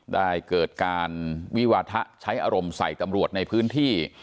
ได้เกิดการวิวาทะใช้อารมณ์ใส่ตำรวจในพื้นที่